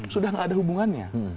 sudah nggak ada hubungannya